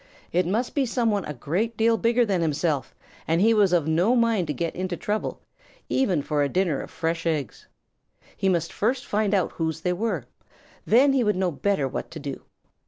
It must be some one a great deal bigger than himself, and he was of no mind to get into trouble, even for a dinner of fresh eggs. He must first find out whose they were; then he would know better what to do.